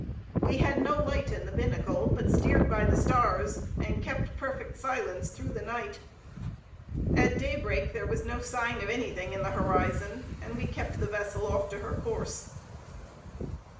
We had no light in the binnacle, but steered by the stars, and kept perfect silence through the night. At daybreak there was no sign of anything in the horizon, and we kept the vessel off to her course.